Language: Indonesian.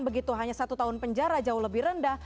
begitu hanya satu tahun penjara jauh lebih rendah